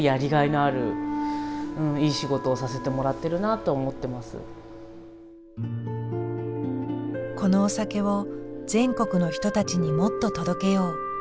この時に飲んですごくこのお酒を全国の人たちにもっと届けよう。